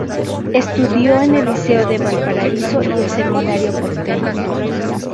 Estudió en el Liceo de Valparaíso y el Seminario porteño.